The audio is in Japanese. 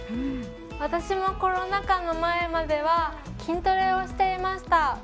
私もコロナ禍の前までは筋トレをしていました。